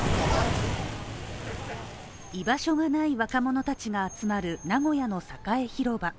居場所がない若者たちが集まる名古屋の栄広場